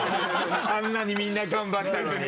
あんなにみんな頑張ったのに。